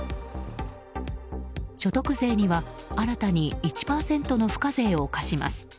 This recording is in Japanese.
所得税には新たに１％の付加税を課します。